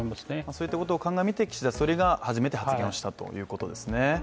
そういったことを鑑みて岸田総理が初めて発言したということですね。